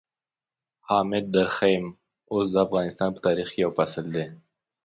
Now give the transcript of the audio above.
حامد درخيم اوس د افغانستان په تاريخ کې يو فصل دی.